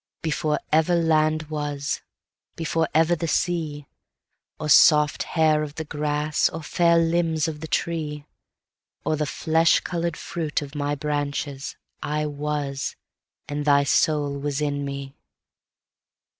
Before ever land was, Before ever the sea, Or soft hair of the grass, Or fair limbs of the tree, Or the flesh color'd fruit of my branches, I was, and thy soul was in me.